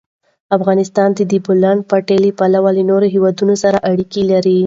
افغانستان د د بولان پټي له پلوه له نورو هېوادونو سره اړیکې لري.